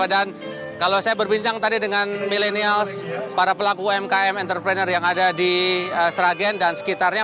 dan kalau saya berbincang tadi dengan millennials para pelaku umkm entrepreneur yang ada di seragian dan sekitarnya